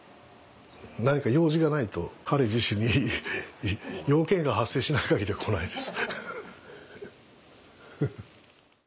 何か用事がないと彼自身に用件が発生しない限りは来ないです。